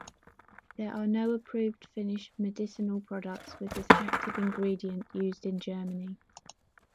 There are no approved finished medicinal products with this active ingredient used in Germany.